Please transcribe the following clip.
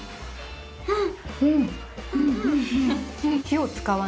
うん！